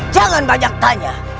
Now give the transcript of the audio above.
jangan banyak tanya